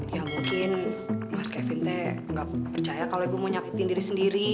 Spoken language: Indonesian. ya mungkin mas kevin teh nggak percaya kalau ibu mau nyakitin diri sendiri